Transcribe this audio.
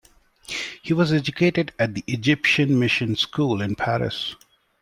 He was educated at the Egyptian Mission School in Paris.